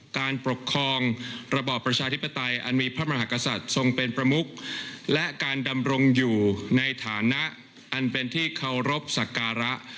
การปกครองระบอบประชาธิปไตยอันมีพระมหากษัตริย์ทรงเป็นประมุขและการดำรงอยู่ในฐานะอันเป็นที่เคารพสักการะ